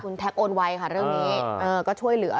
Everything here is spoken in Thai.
คุณแท็กโอนไวค่ะเรื่องนี้ก็ช่วยเหลือ